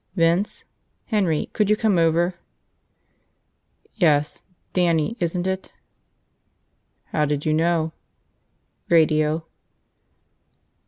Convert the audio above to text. "Vince? Henry. Could you come over?" "Yes. Dannie, isn't it?" "How did you know?" "Radio."